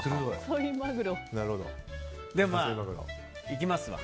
でも、いきますわ。